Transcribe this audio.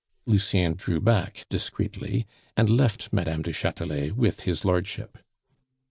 Lucien drew back discreetly, and left Mme. du Chatelet with his lordship.